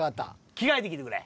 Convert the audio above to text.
着替えてきてくれ。